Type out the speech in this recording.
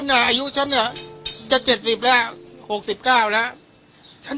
อาหารสุรการ์สุรการ์โดยบริษัทรับหัว